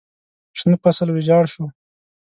شنه فصل ویجاړ شو.